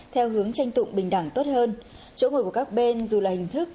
theo hướng tranh tụng bình đẳng tốt hơn chỗ ngồi của các bên dù là hình thức